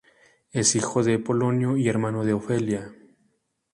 Es hijo de Polonio y hermano de Ofelia.